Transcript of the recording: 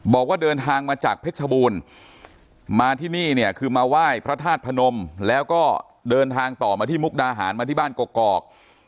บอกว่าเดินทางมาจากเพชรชบูรณ์มาที่นี่เนี่ยคือมาไหว้พระธาตุพนมแล้วก็เดินทางต่อมาที่มุกดาหารมาที่บ้านกอก